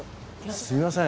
すいません。